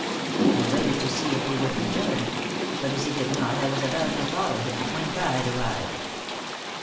I waited to see if he would return, but as he did not I was about to follow him, when Pride arrived.